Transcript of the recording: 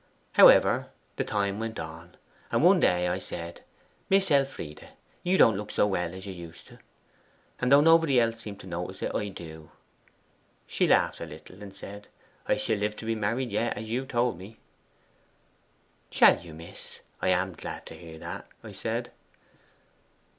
However, the time went on, and one day I said, "Miss Elfride, you don't look so well as you used to; and though nobody else seems to notice it I do." She laughed a little, and said, "I shall live to be married yet, as you told me." '"Shall you, miss? I am glad to hear that," I said.